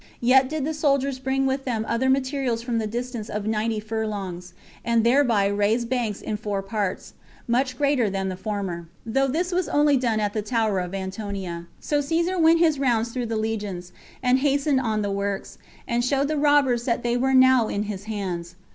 Yet did the soldiers bring with them other materials from the distance of ninety furlongs, and thereby raised banks in four parts, much greater than the former, though this was done only at the tower of Antonia. So Caesar went his rounds through the legions, and hastened on the works, and showed the robbers that they were now in his hands.